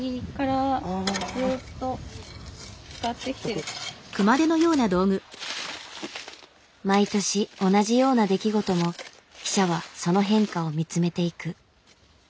もしかしたら毎年同じような出来事も記者はその変化を見つめていく。